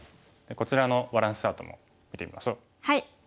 こちらのバランスチャートも見てみましょう。